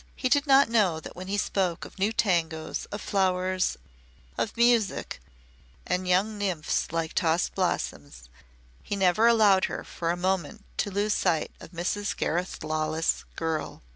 He did not know that when he spoke of new tangos, of flowers, of music and young nymphs like tossed blossoms, he never allowed her for a moment to lose sight of Mrs. Gareth Lawless' girl.